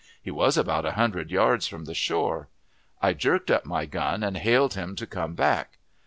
He was about a hundred yards from the shore. I jerked up my gun, and hailed him to come back.